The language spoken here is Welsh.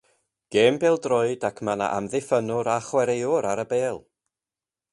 gêm bêl-droed ac mae yna amddiffynnwr a'r chwaraewr ar y bêl